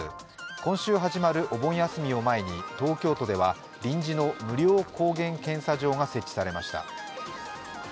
今週始まるお盆休みを前に東京都では臨時の無料抗原検査場が設置されました。